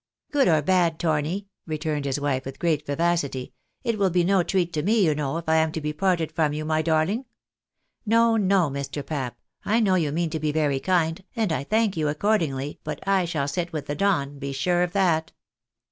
" Good or bad, Torni," returned his wife, with great vivacity, " it will be no treat to me, you know, if I am to be parted from you, my darling. No, no, Mr. Pap, I know you mean to be verjf kind, and I thank you accordingly, but I shall sit with the Don, be sure of that."